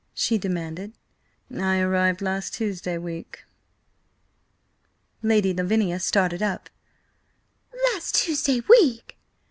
she demanded. "I arrived last Tuesday week." Lady Lavinia started up. "Last Tuesday week?